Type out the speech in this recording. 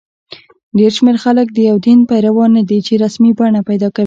ډېر شمېر خلک د یو دین پیروان نه دي چې رسمي بڼه پیدا کړي.